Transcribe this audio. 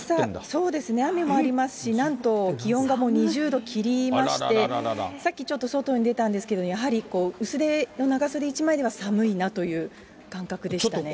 そうですね、雨もありますし、なんと、気温がもう２０度切りまして、さっきちょっと、外に出たんですけれども、やはり薄手の長袖一枚では寒いなという感覚でしたね。